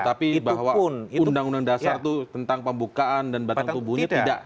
tapi bahwa undang undang dasar itu tentang pembukaan dan batang tubuhnya tidak